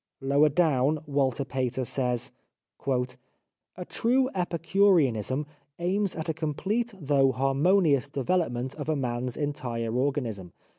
Lower down Walter Pater says : "A true Epicureanism aims at a complete though har monious development of man's entire organism.